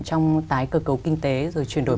trong tái cơ cấu kinh tế rồi chuyển đổi